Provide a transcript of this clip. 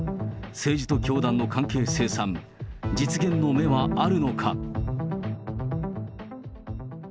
政治と教団の関係清算、実現の目はあるのか。